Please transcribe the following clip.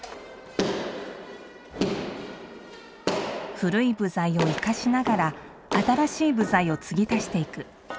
古い部材を生かしながら新しい部材を継ぎ足していく。